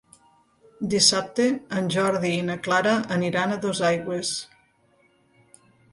Dissabte en Jordi i na Clara aniran a Dosaigües.